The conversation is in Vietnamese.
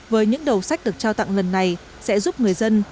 với những đầu sách được trao tặng lần này sẽ giúp người dân